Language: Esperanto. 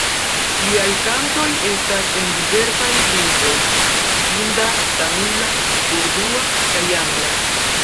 Liaj kantoj estas en diversaj lingvoj: hinda, tamila, urdua kaj angla.